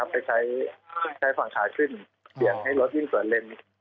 ไปใช้ใช้ส่วนขาขึ้นเบี่ยงให้ลดยิ่งกว่าเล่น